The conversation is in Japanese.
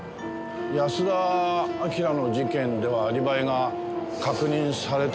安田章の事件ではアリバイが確認されたとなると。